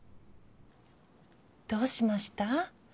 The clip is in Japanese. どうしました？